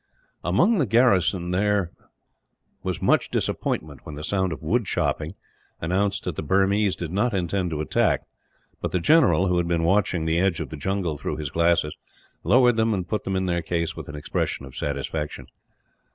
Among the garrison there was much disappointment when the sound of wood chopping announced that the Burmese did not intend to attack; but the general, who had been watching the edge of the jungle through his glasses, lowered them and put them into their case with an expression of satisfaction.